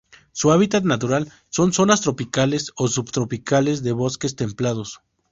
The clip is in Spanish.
Su hábitat natural son: zonas tropicales o subtropicales, de bosques templados.